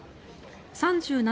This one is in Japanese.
３７